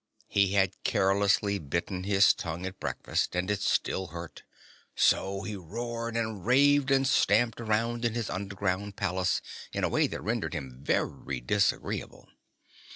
He had carelessly bitten his tongue at breakfast and it still hurt; so he roared and raved and stamped around in his underground palace in a way that rendered him very disagreeable.